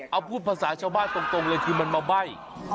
เอาพูดภาษาชาวบ้านตรงเลยคือมันมาใบ้